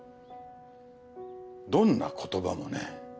どんな言葉もね